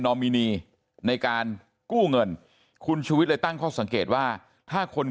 นอมินีในการกู้เงินคุณชุวิตได้ตั้งข้อสังเกตว่าถ้าคนกลุ่ม